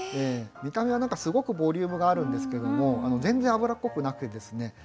見た目は何かすごくボリュームがあるんですけども全然油っこくなくてですね